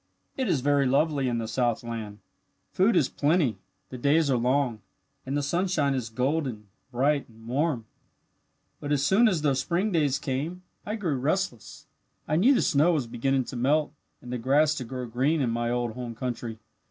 "It is very lovely in the southland. Food is plenty, the days are long, and the sunshine is golden, bright, and warm. "But as soon as the spring days came I grew restless. I knew the snow was beginning to melt and the grass to grow green in my old home country.